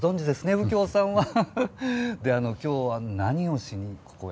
右京さんは今日は何をしにここへ？